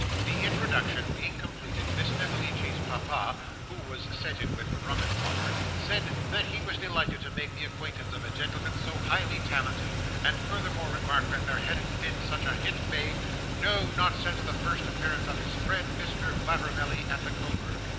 The introduction being completed, Miss Snevellicci's papa (who was scented with rum and water) said that he was delighted to make the acquaintance of a gentleman so highly talented; and furthermore remarked, that there hadn't been such a hit made no, not since the first appearance of his friend Mr. Glavormelly, at the Coburg.